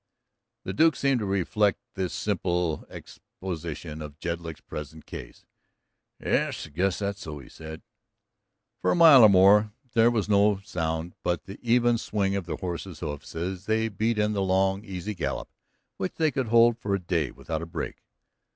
The Duke seemed to reflect this simple exposition of Jedlick's present case. "Yes, I guess that's so," he said. For a mile or more there was no sound but the even swing of their horses' hoofs as they beat in the long, easy gallop which they could hold for a day without a break.